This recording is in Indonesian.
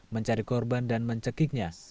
mencari korban dan mencekiknya